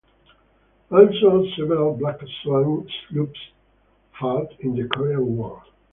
Also, several "Black Swan" sloops fought in the Korean War.